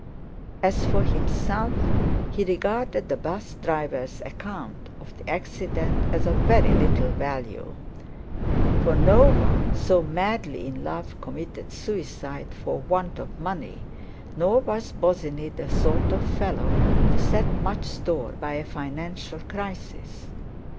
As for himself, he regarded the bus driver's account of the accident as of very little value. For no one so madly in love committed suicide for want of money; nor was Bosinney the sort of fellow to set much store by a financial crisis.